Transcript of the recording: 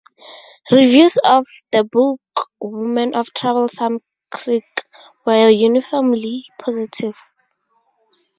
Reviews of "The Book Woman of Troublesome Creek" were uniformly positive.